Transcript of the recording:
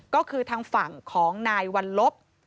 ก็คือทางฝั่งของนายวัลลบ